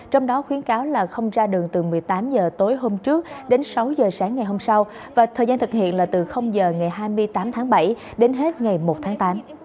trong đó khuyến cáo là không ra đường từ một mươi tám h tối hôm trước đến sáu h sáng ngày hôm sau và thời gian thực hiện là từ h ngày hai mươi tám tháng bảy đến hết ngày một tháng tám